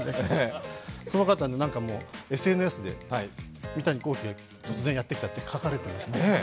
その方、ＳＮＳで三谷幸喜が突然やってきたと書かれていました。